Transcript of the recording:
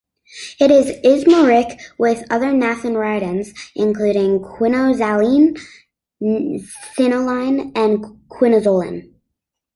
It is isomeric with other naphthyridines including quinoxaline, cinnoline and quinazoline.